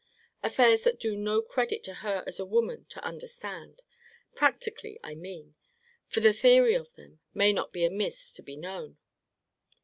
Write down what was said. Affairs that do no credit to her as a woman to understand; practically, I mean; for the theory of them may not be amiss to be known.